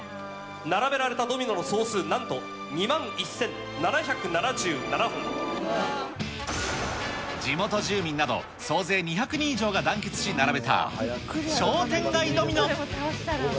並べられたドミノの総数、地元住民など、総勢２００人以上が団結し、並べた商店街ドミノ。